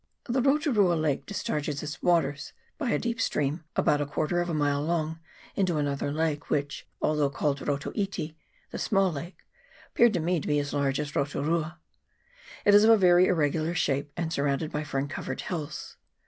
397 The Rotu rua lake discharges its waters, by a deep stream about a quarter of a mile long, into another lake, which, although called Rotu iti (the small lake), appeared to me to be as large as Rotu rua. It is of a very irregular shape, and sur rounded by fern covered hills.